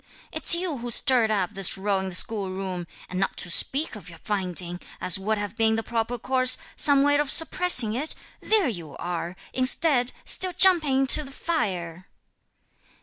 It's you who stirred up this row in the school room; and not to speak of your finding, as would have been the proper course, some way of suppressing it, there you are instead still jumping into the fire."